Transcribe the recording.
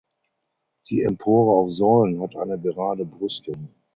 Die Empore auf Säulen hat eine gerade Brüstung.